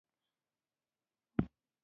غول د ځوابونو دروازه ده.